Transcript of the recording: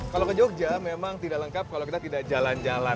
kalau ke jogja memang tidak lengkap kalau kita tidak jalan jalan